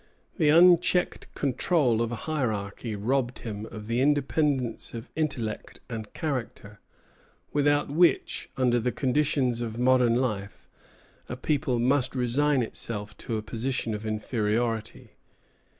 The unchecked control of a hierarchy robbed him of the independence of intellect and character, without which, under the conditions of modern life, a people must resign itself to a position of inferiority.